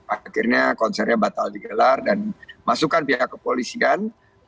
akhirnya konsernya batal digelar dan masukan pihak kepolisian